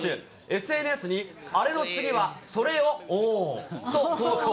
ＳＮＳにアレの次は、ソレよ、おーんと投稿。